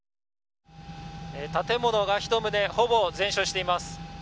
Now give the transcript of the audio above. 建物が１棟ほぼ全焼しています。